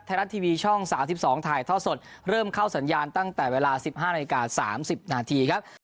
ไทยรัฐทีวีช่อง๓๒ถ่ายท่อสดเริ่มเข้าสัญญาณตั้งแต่เวลา๑๕นาฬิกา๓๐นาทีครับ